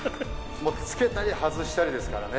つけたり外したりですからね。